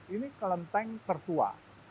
ini kelenteng tertua